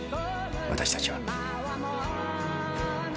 私たちは。